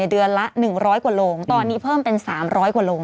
เดือนละ๑๐๐กว่าโรงตอนนี้เพิ่มเป็น๓๐๐กว่าโรง